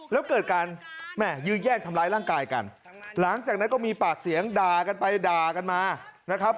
แล้วเกิดการแม่ยืดแย่งทำร้ายร่างกายกันหลังจากนั้นก็มีปากเสียงด่ากันไปด่ากันมานะครับ